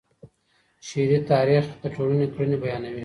شعري تاریخ د ټولني کړنې بیانوي.